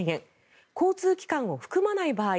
交通機関を含まない場合